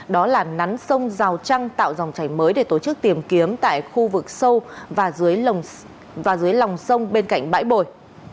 đó là nắn sông rào trăng tạo dòng chảy mới để tổ chức tìm kiếm tại khu vực sâu và dưới và dưới lòng sông bên cạnh bãi bồi